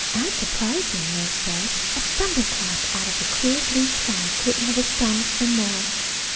And surprising! Nurse says a thunderclap out of a clear blue sky couldn't have astonished them more.